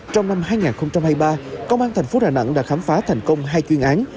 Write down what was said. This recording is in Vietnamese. trong năm hai nghìn hai mươi ba công an thành phố đà nẵng đã khám phá thành công hai chuyên án